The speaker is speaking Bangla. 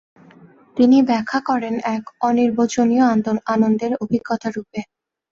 তিনি ব্যাখ্যা করেন এক অনির্বচনীয় আনন্দের অভিজ্ঞতারূপে।